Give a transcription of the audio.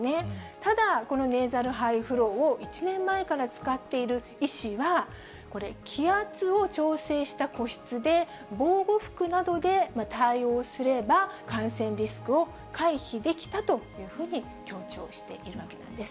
ただ、このネーザルハイフローを１年前から使っている医師は、これ、気圧を調整した個室で、防護服などで対応すれば、感染リスクを回避できたというふうに強調しているわけなんです。